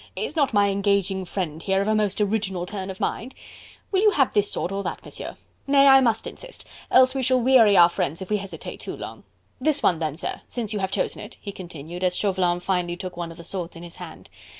Is not my engaging friend here of a most original turn of mind.... Will you have this sword or that, Monsieur?... Nay, I must insist else we shall weary our friends if we hesitate too long.... This one then, sir, since you have chosen it," he continued, as Chauvelin finally took one of the swords in his hand.